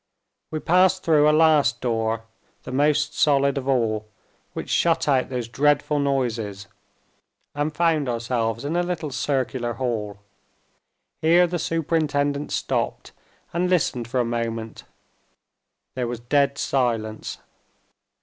We passed through a last door, the most solid of all, which shut out these dreadful noises, and found ourselves in a little circular hall. Here the superintendent stopped, and listened for a moment. There was dead silence.